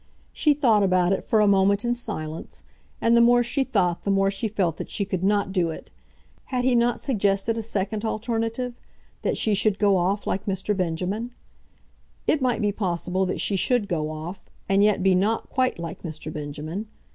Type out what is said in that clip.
She thought about it for a moment in silence, and the more she thought the more she felt that she could not do it. Had he not suggested a second alternative, that she should go off like Mr. Benjamin? It might be possible that she should go off, and yet be not quite like Mr. Benjamin.